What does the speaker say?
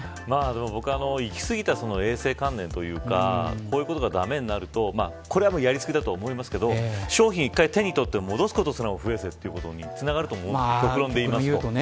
僕は行きすぎた衛生観念ていうかこういうことが駄目になるとこれはやり過ぎだと思いますけど商品を１回手にとって戻すことすらも不衛生だってなると思うんです。